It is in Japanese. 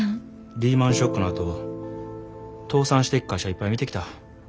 リーマンショックのあと倒産していく会社いっぱい見てきた。